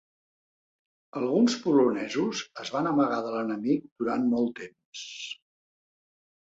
Alguns polonesos es van amagar de l'enemic durant molt temps.